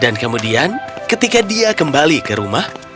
dan kemudian ketika dia kembali ke rumah